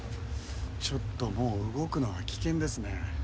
ちょっともう動くのは危険ですね。